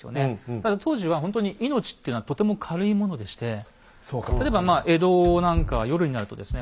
ただ当時はほんとに命っていうのはとても軽いものでして例えばまあ江戸なんかは夜になるとですね